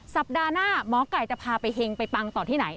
สัปดาห์หน้าหมอไก่จะพาไปเฮงไปปังต่อที่ไหน